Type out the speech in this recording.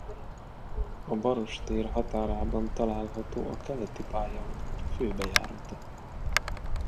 A Baross tér határában található a Keleti pályaudvar főbejárata.